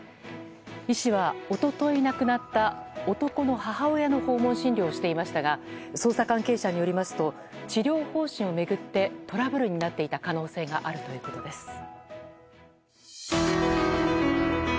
医師は一昨日亡くなった男の母親の訪問診療をしていましたが捜査関係者によりますと治療方針を巡ってトラブルになっていた可能性があるということです。